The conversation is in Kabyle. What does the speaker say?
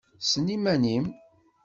Ssen iman-im!